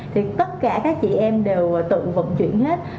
thì tất cả các chị em đều tự vận chuyển hết